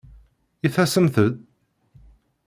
I tasemt-d?